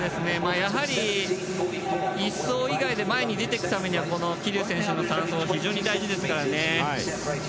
やはり１走以外で前に出ていくには桐生選手の３走非常に大事ですからね。